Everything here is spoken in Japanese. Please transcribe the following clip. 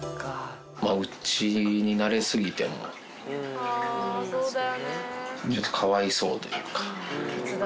うちに慣れ過ぎてもかわいそうというか。